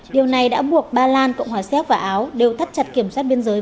điều này đã buộc bà lan cộng hòa sép và áo đều thắt chặt kiểm soát biên giới